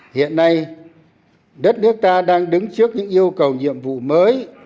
hiện nay đất nước ta đang đứng trước những yêu cầu nhiệm vụ mới